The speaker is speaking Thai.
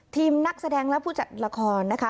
นักแสดงและผู้จัดละครนะคะ